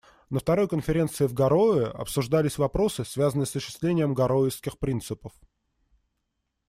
На второй конференции в Гароуэ обсуждались вопросы, связанные с осуществлением «Гароуэсских принципов».